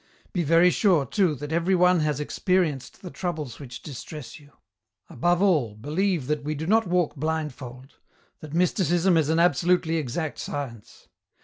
" Be very sure too that every one has experienced the troubles which distress you ; above all, believe that we do not walk blindfold, that Mysticism is an absolutely exact science.